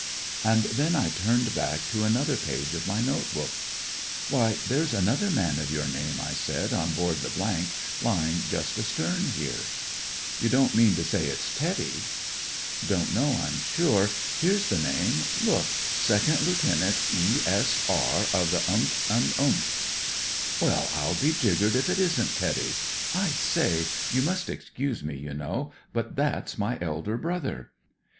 And then I turned back to another page of my note book. "Why, there's another man of your name," I said, " on board the , lying just astern here." (i You don't mean to say it's Teddy ?"" Don't know, I'm sure. Here's the name, look, Second Lieut. E. S. R , of the — th s." BROTHERS OF THE PARSONAGE 121 it Well, J'U be jiggered if it isn't Teddy. I say — you must excuse me, you know ; but that's my elder brother.